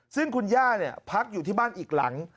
ซึ่งคุณย่าพักอยู่ที่บ้านอีกหลัง